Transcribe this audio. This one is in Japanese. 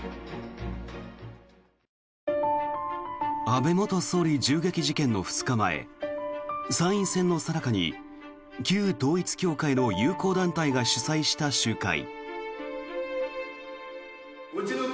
安倍元総理銃撃事件の２日前参院選のさなかに旧統一教会の友好団体が主催した集会。